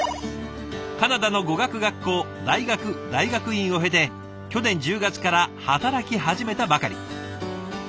カナダの語学学校大学大学院を経て去年１０月から働き始めたばかり。